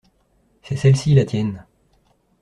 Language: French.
C’est celle-ci la tienne.